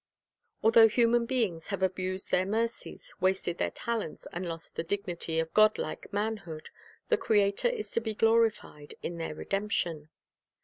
Although human beings have abused their mercies, wasted their talents, and lost the dignity of godlike man hood, the Creator is to be glorified in their redemption.